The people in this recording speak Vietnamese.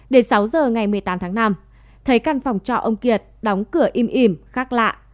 đến sáu giờ ngày một mươi tám tháng năm thấy căn phòng trọ ông kiệt đóng cửa im ỉm khác lạ